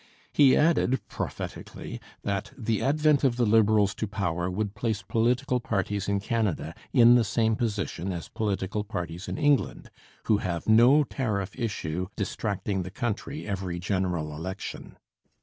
He added prophetically that 'the advent of the Liberals to power would place political parties in Canada in the same position as political parties in England, who have no tariff issue distracting the country every general election.'